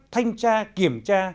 thanh tra kiểm tra